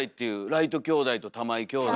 ライト兄弟と玉井兄弟。